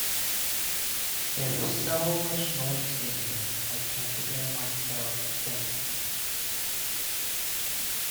There is so much noise in here, I can't hear myself think.